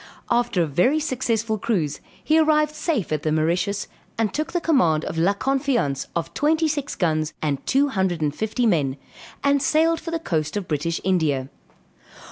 After a very successful cruise he arrived safe at the Mauritius, and took the command of La Confiance of twenty six guns and two hundred and fifty men, and sailed for the coast of British India.